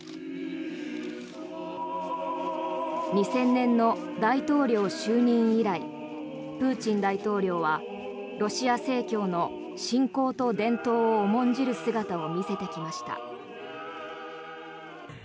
２０００年の大統領就任以来プーチン大統領はロシア正教の信仰と伝統を重んじる姿を見せてきました。